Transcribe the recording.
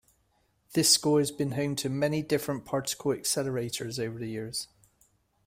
The school has been home to many different particle accelerators over the years.